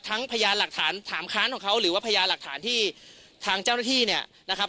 พยานหลักฐานถามค้านของเขาหรือว่าพยานหลักฐานที่ทางเจ้าหน้าที่เนี่ยนะครับ